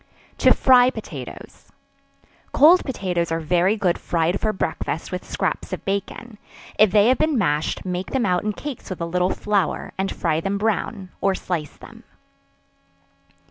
To Fry Potatoes. Cold potatoes are very good fried for breakfast with scraps of bacon; if they have been mashed, make them out in cakes with a little flour, and fry them brown, or slice them.